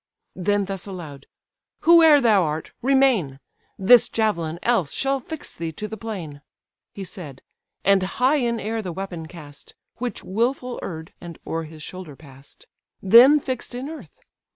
Then thus aloud: "Whoe'er thou art, remain; This javelin else shall fix thee to the plain." He said, and high in air the weapon cast, Which wilful err'd, and o'er his shoulder pass'd; Then fix'd in earth.